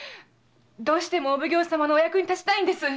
どうしてもお奉行様のお役に立ちたいんです！